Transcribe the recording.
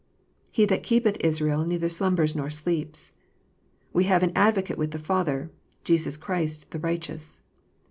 " He that keepeth Israel neither slumbers nor sleeps." " We have an Advocate with the Father, Jesus Christ, the righteous."